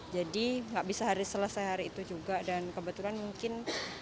jadi nggak bisa hari selesai hari itu juga dan kebetulan mungkin